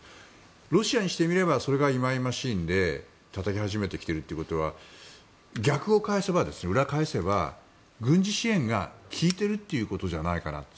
ロシアにしてみればそれが忌々しいのでたたき始めているということは裏を返せば軍事支援が効いているということじゃないかなと。